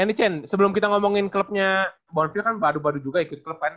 ya ini cen sebelum kita ngomongin klubnya bonfil kan baru baru juga ikut klub kan